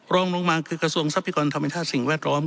รองลงมาคือกระทรวงทรัพยากรธรรมชาติสิ่งแวดล้อม